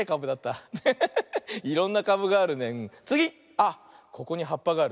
あっここにはっぱがある。